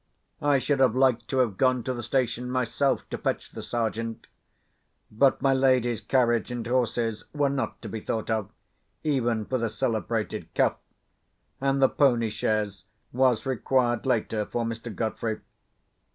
I should have liked to have gone to the station myself, to fetch the Sergeant. But my lady's carriage and horses were not to be thought of, even for the celebrated Cuff; and the pony chaise was required later for Mr. Godfrey.